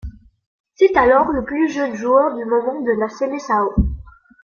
C'est alors le plus jeune joueur du moment de la Seleçao.